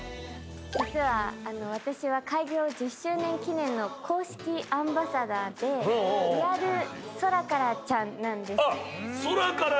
実は私は開業１０周年記念の公式アンバサダーでリアルソラカラちゃんなんです。